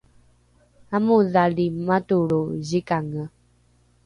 amodhali matolro zikange